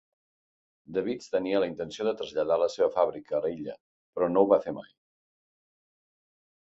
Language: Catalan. Davids tenia la intenció de traslladar la seva fàbrica a l'illa, però no ho va fer mai.